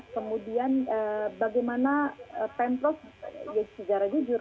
kemudian bagaimana templos sejarah jujur